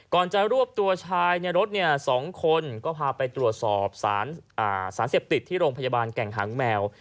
ก่อนจะรวบตัวชายในรถ๒คนก็พาไปตรวจสอบสารเสพติดที่โรงพยาบาลแก่งหางแมว